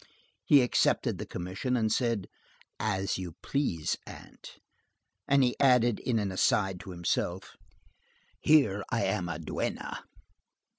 He accepted the commission and said: "As you please, aunt." And he added in an aside, to himself: "Here I am a duenna."